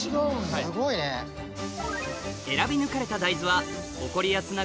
すごいね。選び抜かれた大豆はそうですね。